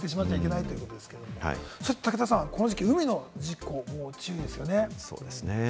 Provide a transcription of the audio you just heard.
それと武田さん、この時期、海の事故にも注意が必要ですね。